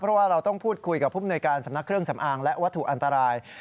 เพราะว่าเราต้องพูดคุยกับผู้มนวยการสำนักเครื่องสำอางและวัตถุอันตราย